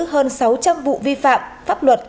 hơn sáu trăm linh vụ vi phạm pháp luật